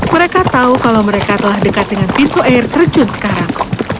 mereka tahu kalau mereka telah dekat dengan pintu air terjun sekarang